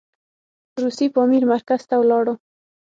روسي پامیر مرکز ته ولاړو.